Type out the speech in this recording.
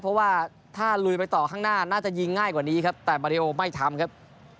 เพราะว่าถ้าลุยไปต่อข้างหน้าน่าจะยิงง่ายกว่านี้ครับแต่มาริโอไม่ทำครับ